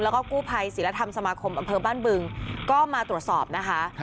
แล้วก็กู้ภัยศิลธรรมสมาคมอำเภอบ้านบึงก็มาตรวจสอบนะคะ